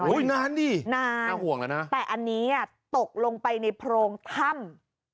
นานดินานน่าห่วงแล้วนะแต่อันนี้อ่ะตกลงไปในโพรงถ้ำ